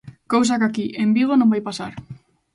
Cousa que aquí, en Vigo, non vai pasar.